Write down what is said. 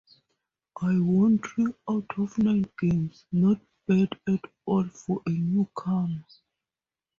I won three out of nine games, not bad at all for a newcomer.